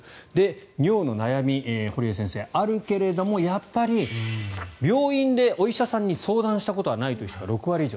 尿の悩み、堀江先生あるけどもやっぱり病院でお医者さんに相談したことはないという人は６割以上。